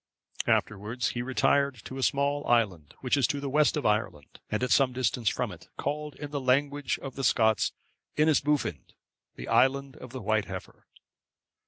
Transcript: Afterwards he retired to a small island, which is to the west of Ireland, and at some distance from it, called in the language of the Scots, Inisboufinde,(558) the Island of the White Heifer.